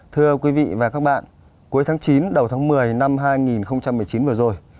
thưa quý vị và các bạn cuối tháng chín đầu tháng một mươi năm hai nghìn một mươi chín vừa rồi